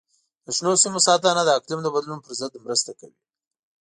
د شنو سیمو ساتنه د اقلیم د بدلون پر ضد مرسته کوي.